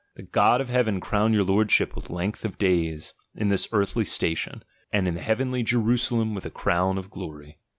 The God of heaven crown your Lordship with length of days, in this earthly sta tion ; and in the heavenly Jerusalem with a crown of glory.